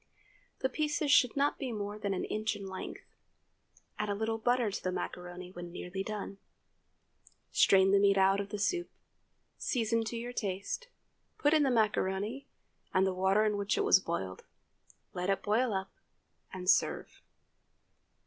The pieces should not be more than an inch in length. Add a little butter to the macaroni when nearly done. Strain the meat out of the soup, season to your taste, put in the macaroni, and the water in which it was boiled; let it boil up, and serve.